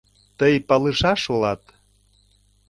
Тый палышаш улат.